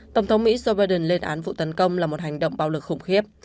tổng thống mỹ joe biden lên án vụ tấn công là một hành động bạo lực khủng khiếp